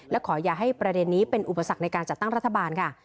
และขออย่าให้ประเด็นนี้เป็นอุปสรรคในการจัดตั้งรัฐบาลค่ะ